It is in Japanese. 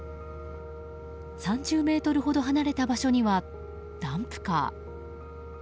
３０ｍほど離れた場所にはダンプカー。